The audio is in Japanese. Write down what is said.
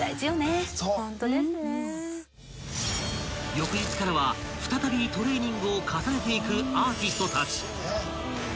［翌日からは再びトレーニングを重ねていくアーティストたち］